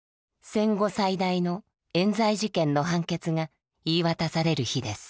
戦後最大のえん罪事件の判決が言い渡される日です。